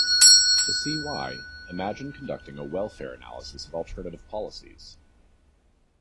To see why, imagine conducting a welfare analysis of alternative policies.